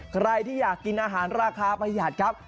ใครที่อยากกินอาหารราคาประหยัดครับ